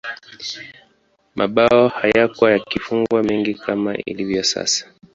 mabao hayakuwa yakifungwa mengi kama ilivyo sasa